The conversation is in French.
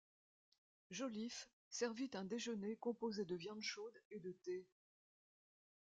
Joliffe servit un déjeuner composé de viandes chaudes et de thé.